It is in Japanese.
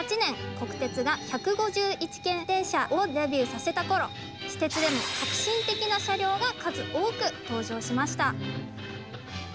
国鉄が１５１系電車をデビューさせたころ私鉄でも革新的な車両が数多く登場しました。